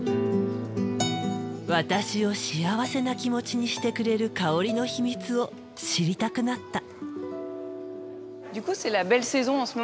私を幸せな気持ちにしてくれる香りの秘密を知りたくなった。